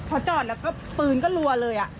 พอจอดแล้วก็ปืนก็รัวเลย